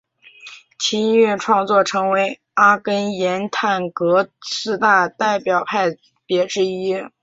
其音乐创作成为阿根廷探戈四大代表派别之一。